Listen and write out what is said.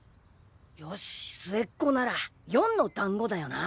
よし末っ子なら「四」のだんごだよな。